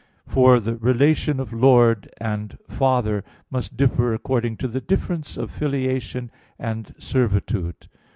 For the relation of lord and father must differ according to the difference of filiation and servitude.